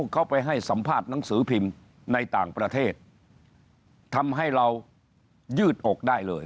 เขาไปให้สัมภาษณ์หนังสือพิมพ์ในต่างประเทศทำให้เรายืดอกได้เลย